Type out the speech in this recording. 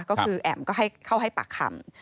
ก็คือแอมเข้าให้ปากคำ